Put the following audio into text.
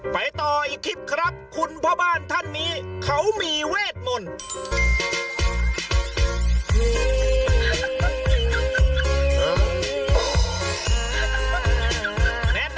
ไปต่ออีกคลิปครับคุณพ่อบ้านท่านนี้เขามีเวทมนต์